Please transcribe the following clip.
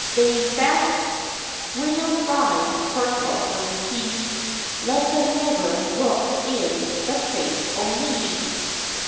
They that winna ride for Telfer's kye, Let them never look in the face o' me!